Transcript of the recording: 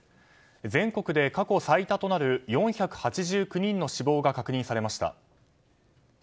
全国で過去最多となる４８９人の死亡が確認されました。